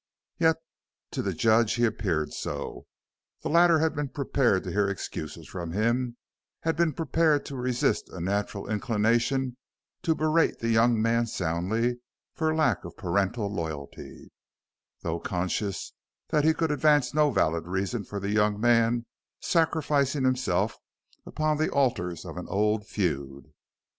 Yet to the judge he appeared so. The latter had been prepared to hear excuses from him; had been prepared to resist a natural inclination to berate the young man soundly for lack of parental loyalty, though conscious that he could advance no valid reason for the young man sacrificing himself upon the altars of an old feud.